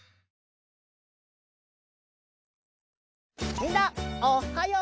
みんなおっはよう！